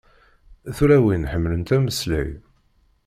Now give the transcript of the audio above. Tulawin ḥemmlent ameslay.